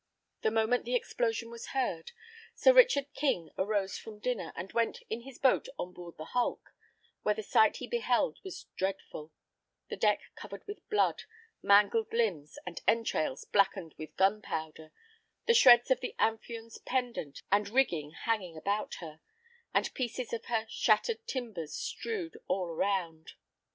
The moment the explosion was heard, Sir Richard King arose from dinner, and went in his boat on board the hulk, where the sight he beheld was dreadful; the deck covered with blood, mangled limbs and entrails blackened with gunpowder, the shreds of the Amphion's pendant and rigging hanging about her, and pieces of her shattered timbers strewed all around.